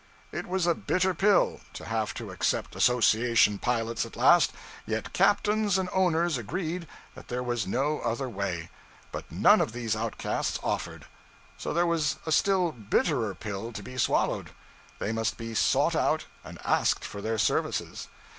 It was a bitter pill to have to accept association pilots at last, yet captains and owners agreed that there was no other way. But none of these outcasts offered! So there was a still bitterer pill to be swallowed: they must be sought out and asked for their services.